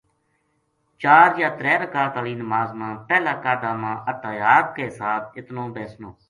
چار یا ترے رکات آلی نماز ما پہلا قعدہ ما اتحیات کے حساب اتنو بیسنو۔